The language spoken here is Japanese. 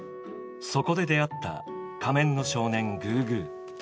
そこで出会った仮面の少年グーグー。